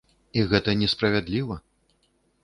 І гэта не справядліва.